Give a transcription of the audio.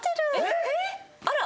あら！